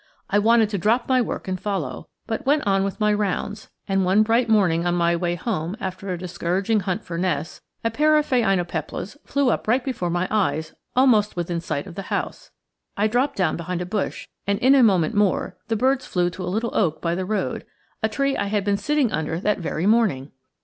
I wanted to drop my work and follow, but went on with my rounds, and one bright morning on my way home after a discouraging hunt for nests, a pair of phainopeplas flew up right before my eyes almost within sight of the house. I dropped down behind a bush, and in a moment more the birds flew to a little oak by the road a tree I had been sitting under that very morning!